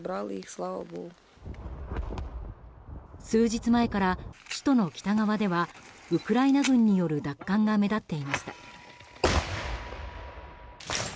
数日前から首都の北側ではウクライナ軍による奪還が目立っていました。